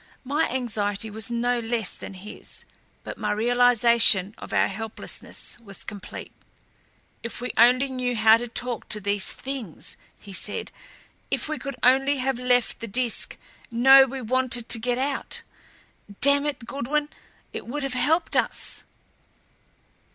My anxiety was no less than his, but my realization of our helplessness was complete. "If we only knew how to talk to these Things," he said. "If we could only have let the Disk know we wanted to get out damn it, Goodwin, it would have helped us."